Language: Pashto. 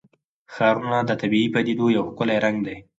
ښارونه د طبیعي پدیدو یو ښکلی رنګ دی.